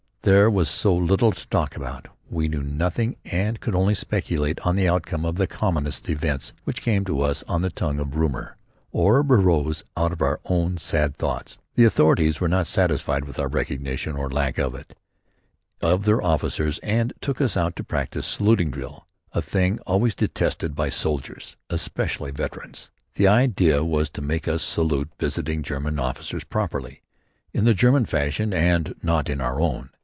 There was so little to talk about. We knew nothing and could only speculate on the outcome of the commonest events which came to us on the tongue of rumour or arose out of our own sad thoughts. The authorities were not satisfied with our recognition or lack of it of their officers and took us out to practice saluting drill a thing always detested by soldiers, especially veterans. The idea was to make us salute visiting German officers properly, in the German fashion and not in our own.